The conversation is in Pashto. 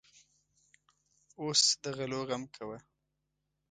اوس د غلو غم کوه.